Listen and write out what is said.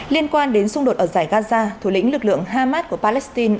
liên quan đến xung đột ở giải gaza thủ lĩnh lực lượng hamas của palestine